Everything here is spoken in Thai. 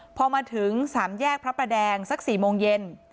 พอมาถึง๓แยกพระประแดงสัก๔โมงเย็น